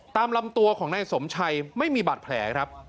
ตามลำตัวของนายสมชัยไม่มีบาดแผลครับ